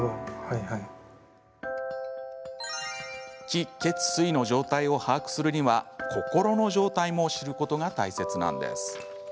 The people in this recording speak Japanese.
気・血・水の状態を把握するには心の状態も知ることが大切なんです。